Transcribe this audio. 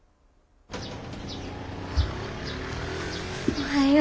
おはよう。